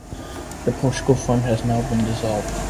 The Portugal Fund has now been dissolved.